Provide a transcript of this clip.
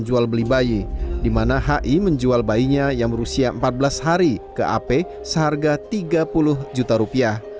jual beli bayi dimana hi menjual bayinya yang berusia empat belas hari ke ap seharga tiga puluh juta rupiah